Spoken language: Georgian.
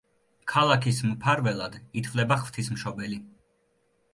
ქალაქის მფარველად ითვლება ღვთისმშობელი.